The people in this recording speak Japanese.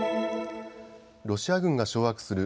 ロシア軍が掌握する